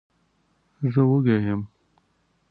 زه وږی یم.